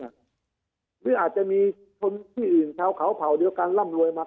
หรืออาจจะมีคนที่อื่นชาวเขาเผ่าเดียวกันร่ำรวยมา